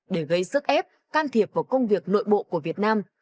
để gây sức ép can thiệp vào công việc nội bộ của việt nam